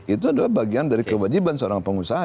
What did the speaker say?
itu adalah bagian dari kewajiban seorang pengusaha